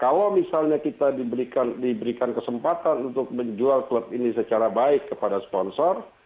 kalau misalnya kita diberikan kesempatan untuk menjual klub ini secara baik kepada sponsor